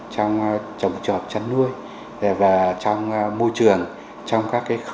trong trồng chuột chăn nuôi và trong môi trường